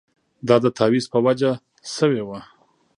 دا د تاویز په وجه شوې وه.